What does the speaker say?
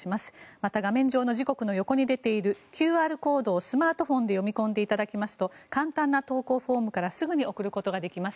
また画面上の時刻の横に出ているＱＲコードをスマートフォンで読み込んでいただきますと簡単な投稿フォームからすぐに送ることができます。